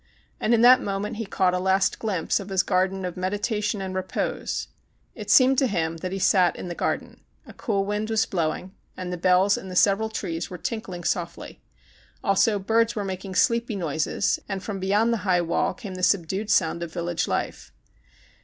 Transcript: And in that mo ment he caught a last glimpse of his garden of meditation and repose. It seemed to him that he sat in the garden. A coolwind was blowing, and the bells in the several trees were tinkling softly. Also, birds were making sleepy noises, THE CHINAg6 185 and from beyond the high wall came the sub dued sound of village life.